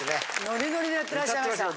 ノリノリでやってらっしゃいました。